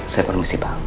saya permisi pak